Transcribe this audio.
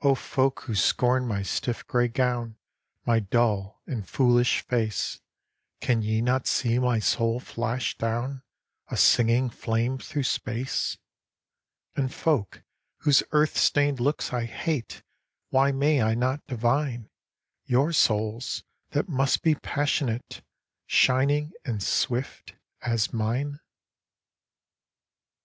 O folk who scorn my stiff gray gown, My dull and foolish face, Can ye not see my soul flash down,A singing flame through space? And folk, whose earth stained looks I hate, Why may I not divineYour souls, that must be passionate, Shining and swift, as mine?